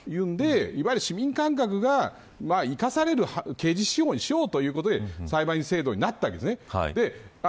それは駄目だというのでいわゆる市民感覚が生かされる刑事司法にしようということで裁判員制度になったわけです。